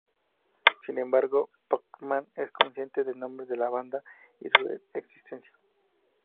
Sin embargo, Portman es consciente del nombre de la banda y de su existencia.